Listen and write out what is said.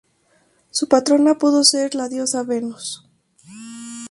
Su patrona pudo ser la diosa Venus.